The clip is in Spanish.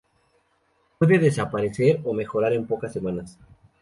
Puede desaparecer o mejorar en pocas semanas.